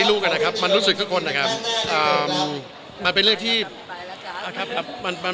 หลายละเอียดมันเยอะครับนับซ้อน